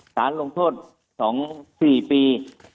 สารลงโทษ๒๔ปี